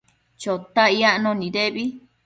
Chotac yacno nidebi